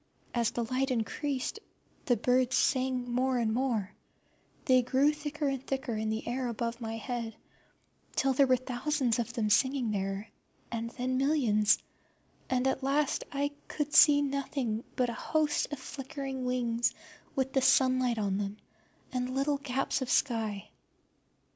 As the light increased the birds sang more and more; they grew thicker and thicker in the air above my head, till there were thousands of them singing there, and then millions, and at last I could see nothing but a host of flickering wings with the sunlight on them, and little gaps of sky.